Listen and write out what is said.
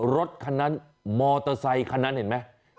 รถคันนั้นมอเตอร์ไซคันนั้นเห็นไหม